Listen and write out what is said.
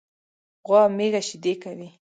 غوا او میږه شيدي کوي.